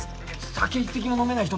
酒一滴も飲めない人